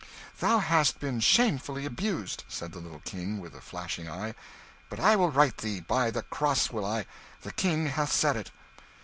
"Thou hast been shamefully abused!" said the little King, with a flashing eye. "But I will right thee by the cross will I! The King hath said it."